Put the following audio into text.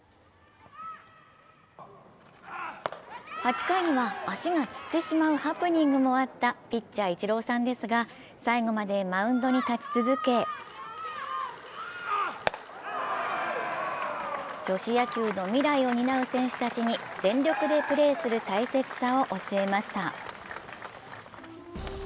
８回には足がつってしまうハプニングもあったピッチャー・イチローさんですが最後までマウンドに立ち続け女子野球の未来を担う選手たちに全力でプレーする大切さを教えました。